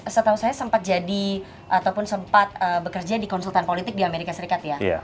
setahu saya sempat jadi ataupun sempat bekerja di konsultan politik di amerika serikat ya